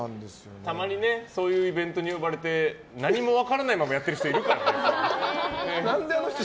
たまにそういうイベントに呼ばれて何も分からないままやってる人いるからね。